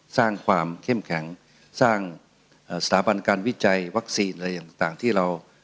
สร้างความเข้มแข็งสร้างสถาบันการวิจัยวัคซีนอะไรต่างที่เรา